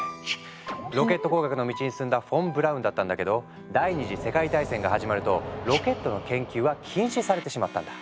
ロケット工学の道に進んだフォン・ブラウンだったんだけど第二次世界大戦が始まるとロケットの研究は禁止されてしまったんだ。